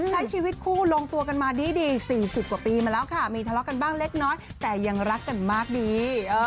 ใช้ชีวิตคู่ลงตัวกันมาดี๔๐กว่าปีมาแล้วค่ะมีทะเลาะกันบ้างเล็กน้อยแต่ยังรักกันมากดี